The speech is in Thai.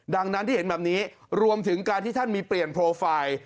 ดังนั้นที่เห็นแบบนี้รวมถึงการที่ท่านมีเปลี่ยนโปรไฟล์